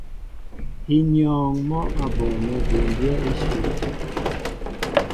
Ínyɔ́ɔ́ŋ mɔ́ a bonɛ bʉmbyɛ́ íshyə̂.